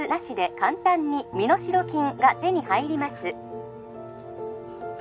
☎簡単に身代金が手に入ります